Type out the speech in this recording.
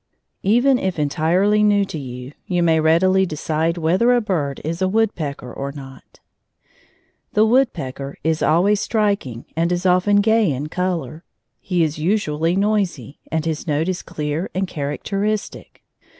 Even if entirely new to you, you may readily decide whether a bird is a woodpecker or not. The woodpecker is always striking and is often gay in color. He is usually noisy, and his note is clear and characteristic.